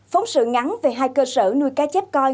phóng sự ngắn về hai cơ sở nuôi cá chép coi